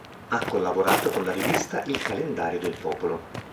Ha collaborato con la rivista Il Calendario del Popolo.